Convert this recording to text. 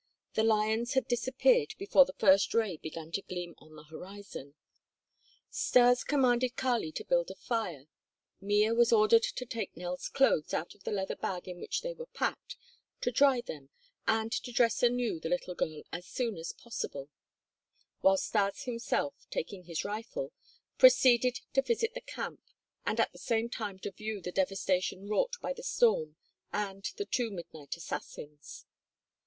The lions had disappeared before the first ray began to gleam on the horizon. Stas commanded Kali to build a fire. Mea was ordered to take Nell's clothes out of the leather bag in which they were packed, to dry them, and to dress anew the little girl as soon as possible; while Stas himself, taking his rifle, proceeded to visit the camp and at the same time to view the devastation wrought by the storm and the two midnight assassins.